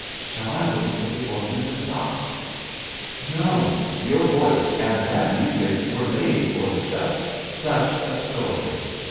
Shall I v.ait for the organ to stop?" "No, your voice and that music were made for just such a story.